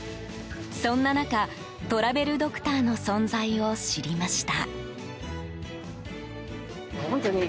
そんな中、トラベルドクターの存在を知りました。